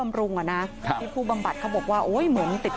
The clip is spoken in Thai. มาลงก่อนนะครับคุณบำบัดเขาบอกว่าโอ้ยเหมือนติด